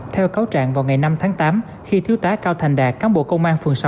theo cáo trạng vào ngày năm tháng tám khi thiếu tá cao thành đạt cán bộ công an phường sáu